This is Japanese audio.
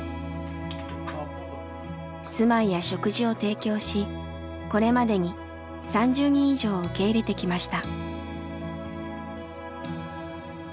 住まいや食事を提供しこれまでに３０人以上を受け入れてきました。